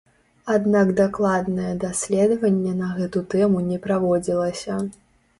Аднак дакладнае даследаванне на гэту тэму не праводзілася.